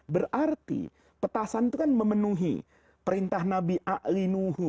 berarti petasan itu kan memenuhi perintah nabi a'li nuhu